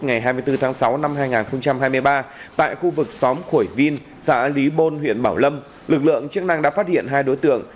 ngày hai mươi bốn tháng sáu năm hai nghìn hai mươi ba tại khu vực xóm khuổi vin xã lý bôn huyện bảo lâm lực lượng chức năng đã phát hiện hai đối tượng